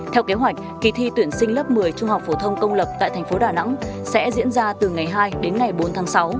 theo kế hoạch kỳ thi tuyển sinh lớp một mươi trung học phổ thông công lập tại thành phố đà nẵng sẽ diễn ra từ ngày hai đến ngày bốn tháng sáu